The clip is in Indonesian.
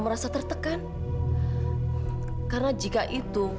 coba lihat mata dokter